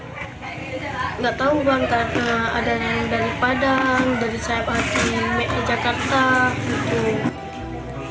nggak tahu bang karena ada yang dari padang dari sahabat di jakarta gitu